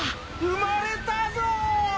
生まれたぞ！